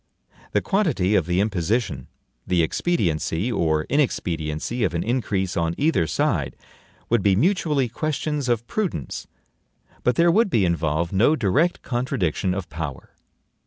The quantity of the imposition, the expediency or inexpediency of an increase on either side, would be mutually questions of prudence; but there would be involved no direct contradiction of power.